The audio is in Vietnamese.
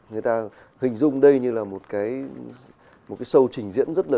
người ta hình dung đây như là một cái show trình diễn rất là